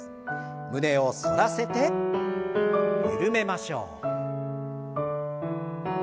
胸を反らせて緩めましょう。